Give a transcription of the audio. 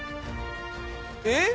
えっ？